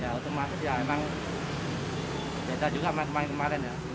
ya untuk mas ya emang beda juga sama yang kemarin ya